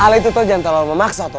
ala itu tuh jangan terlalu memaksa toh